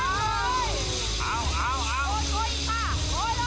พร้อม